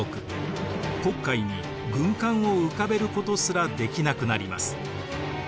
黒海に軍艦を浮かべることすらできなくなります。